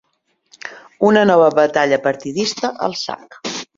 Una nova batalla partidista al sac.